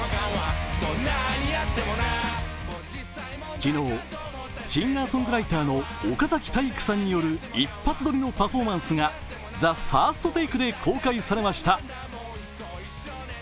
昨日、シンガーソングライターの岡崎体育さんによる一発撮りのパフォーマンスが「ＴＨＥＦＩＲＳＴＴＡＫＥ」で公開されました。